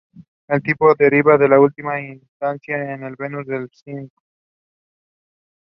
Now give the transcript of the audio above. The rough ray is named for the spinules that cover its upper surface.